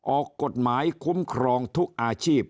ออกกฎหมายคุ้มครองทุกอาชีพ